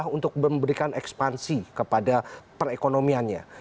untuk memberikan ekspansi kepada perekonomiannya